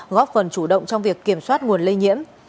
góp phần chủ động trong việc kiểm soát nguồn lây nhiễm